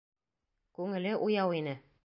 Күңеле уяу ине.